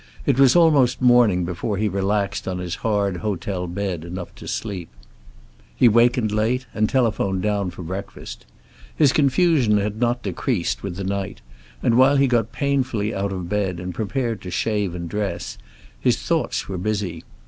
It was almost morning before he relaxed on his hard hotel bed enough to sleep. He wakened late, and telephoned down for breakfast. His confusion had not decreased with the night, and while he got painfully out of bed and prepared to shave and dress, his thoughts were busy.